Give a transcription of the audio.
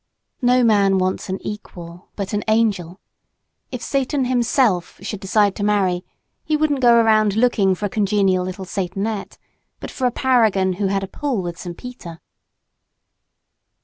No man wants an "equal" but an angel. If Satan himself should decide to marry he wouldn't go around looking for a congenial little Satanette, but for a paragon who had a pull with St. Peter.